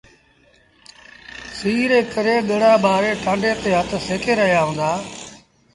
سيٚ ري ڪري ڳڙآ ٻآري ٽآنڊي تي هٿ سيڪي رهيآ هُݩدآ۔